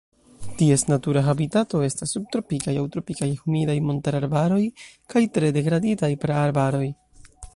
Ties natura habitato estas subtropikaj aŭ tropikaj humidaj montararbaroj kaj tre degraditaj praarbaroj.